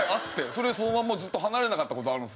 それでそのまんまずっと離れなかった事あるんですよ。